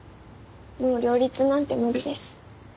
もう両立なんて無理です。